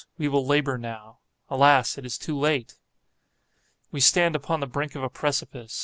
We will labor now. Alas, it is too late! We stand upon the brink of a precipice.